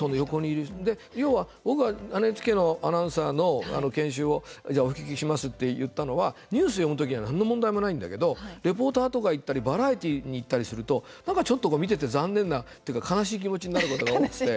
要は僕がＮＨＫのアナウンサーの研修をお引き受けしますって言ったのはニュース読むときは何の問題もないんだけどレポーターとか行ったりバラエティに行ったりするとなんかちょっと見てて残念なっていうか悲しい気持ちになることが多くて。